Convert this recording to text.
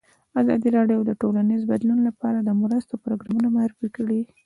ازادي راډیو د ټولنیز بدلون لپاره د مرستو پروګرامونه معرفي کړي.